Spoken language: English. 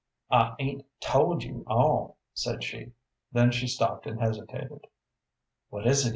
"I 'ain't told you all," said she. Then she stopped and hesitated. "What is it, Eva?"